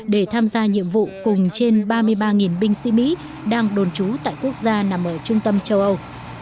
để tham gia nhiệm vụ cùng trên ba mươi ba binh sĩ mỹ đang đồn trú tại quốc gia nằm ở trung tâm châu âu